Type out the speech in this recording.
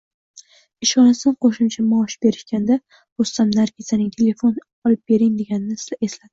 Ishxonasidan qo`shimcha maosh berishganda Rustam Nargizaning telefon olib bering deganini esladi